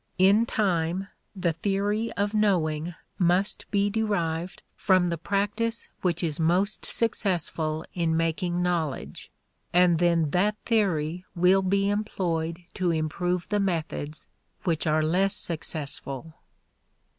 In time the theory of knowing must be derived from the practice which is most successful in making knowledge; and then that theory will be employed to improve the methods which are less successful.